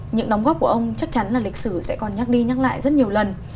những đóng góp của ông chắc chắn là lịch sử sẽ còn nhắc đi nhắc lại rất nhiều lần